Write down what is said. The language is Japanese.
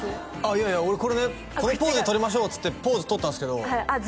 いやいや俺これねこのポーズで撮りましょうっつってポーズ取ったんすけどあっ